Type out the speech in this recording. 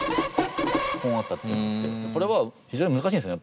これは非常に難しいんですね